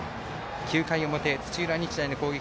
９回表、土浦日大の攻撃。